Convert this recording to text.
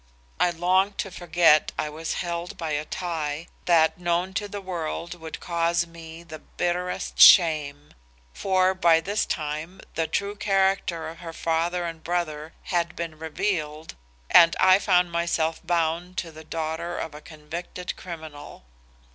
I longed to forget I was held by a tie, that known to the world would cause me the bitterest shame. For by this time the true character of her father and brother had been revealed and I found myself bound to the daughter of a convicted criminal.